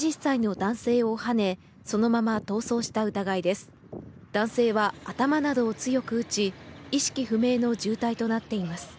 男性は頭などを強く打ち、意識不明の重体となっています。